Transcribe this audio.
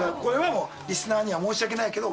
リスナーには申し訳ないけど。